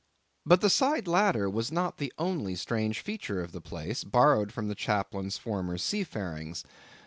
But the side ladder was not the only strange feature of the place, borrowed from the chaplain's former sea farings.